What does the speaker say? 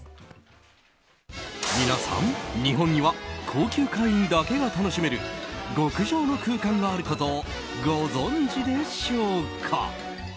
皆さん、日本には高級会員だけが楽しめる極上の空間があることをご存じでしょうか。